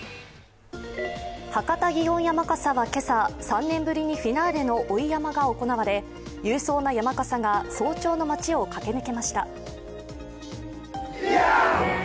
博多祇園山笠は今朝、３年ぶりにフィナーレの追い山笠が行われ、勇壮な山笠が早朝の街を駆け抜けました。